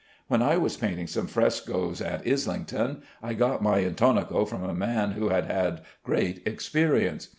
When I was painting some frescoes at Islington, I got my intonaco from a man who had had great experience.